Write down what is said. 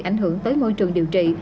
ảnh hưởng tới môi trường điều trị